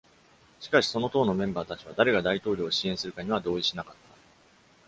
しかし、その党のメンバーたちは誰が大統領を支援するかには同意しなかった。